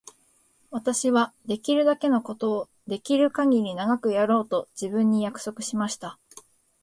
私はできるだけのことをできるかぎり長くやろうと自分に約束しました。